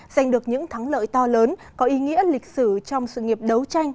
giành được những thắng lợi to lớn có ý nghĩa lịch sử trong sự nghiệp đấu tranh